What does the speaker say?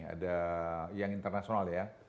ada yang internasional ya